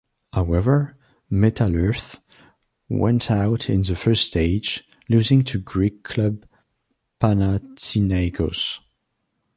However, Metalurh went out in the first stage, losing to Greek club Panathinaikos.